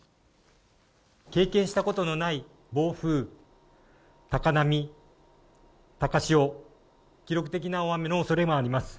経験したことのない暴風、高波、高潮、記録的な大雨のおそれがあります。